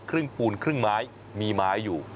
ปูนครึ่งไม้มีไม้อยู่